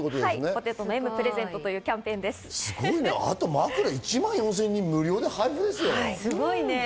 枕１万４０００人無料で配布ですよ。